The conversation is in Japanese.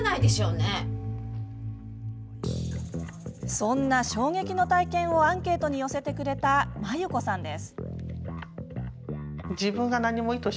そんな衝撃の体験をアンケートに寄せてくれた、まゆこさんです。